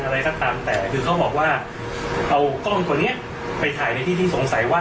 อะไรก็ตามแต่คือเขาบอกว่าเอากล้องตัวนี้ไปถ่ายในที่ที่สงสัยว่า